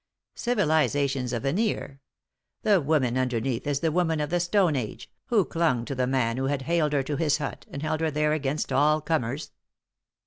Civilisa tion's a veneer ; the woman underneath is the woman of the Stone Age, who clung to the man who had haled her to his hut, and held her there against all comers.